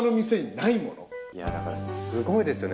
だからすごいですよね